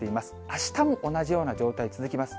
あしたも同じような状態続きます。